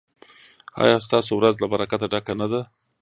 ایا ستاسو ورځ له برکته ډکه نه ده؟